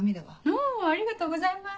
おぉありがとうございます。